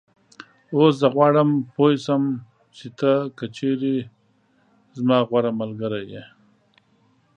اوس زه غواړم پوی شم چې ته که چېرې زما غوره ملګری یې